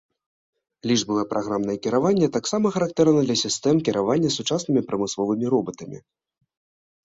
Лічбавае праграмнае кіраванне таксама характэрна для сістэм кіравання сучаснымі прамысловымі робатамі.